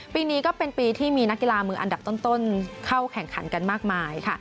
ปีนี้ก็เป็นปีที่มีนักกีฬามืออันดับต้นเข้าแข่งขันกันมากมายค่ะ